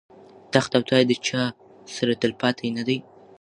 تخت او تاج د چا سره تل پاتې نه دی.